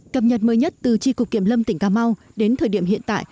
cập nhật mới nhất từ tri cục kiểm lâm tỉnh cà mau đến thời điểm hiện tại